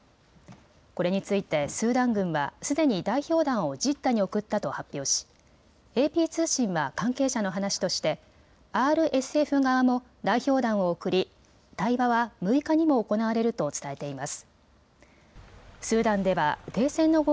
これについてスーダン軍はすでに代表団をジッダに送ったと発表しＡＰ通信は関係者の話としてＲＳＦ側も代表団を送り対話は６日にも行われると伝えています。